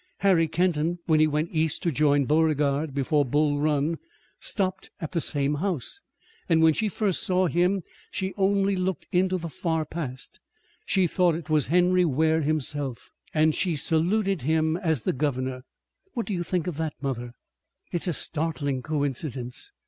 Harry Kenton, when he went east to join Beauregard before Bull Run, stopped at the same house, and when she first saw him she only looked into the far past. She thought it was Henry Ware himself, and she saluted him as the governor. What do you think of that, mother?" "It's a startling coincidence."